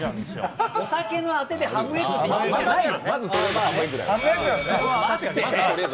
お酒のあてでハムエッグ出しているお店ないよ！